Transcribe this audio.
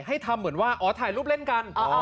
ทำเหมือนว่าอ๋อถ่ายรูปเล่นกัน